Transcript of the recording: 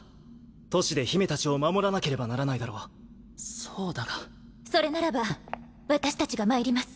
都市で姫たちを守らなければならないだろそうだが（エスメラル私たちが参ります